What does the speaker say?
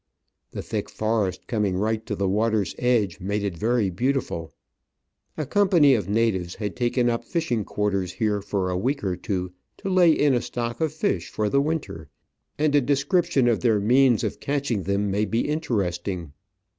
The thick forest coming right to the water s edge made it very beautiful. A company of natives had taken up fishing quarters here for a week or two to lay in a stock of fish for the winter, and a description of their means of catching them may be interesting.